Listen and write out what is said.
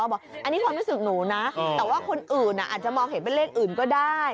บอกอันนี้ความรู้สึกหนูนะแต่ว่าคนอื่นอาจจะมองเห็นเป็นเลขอื่นก็ได้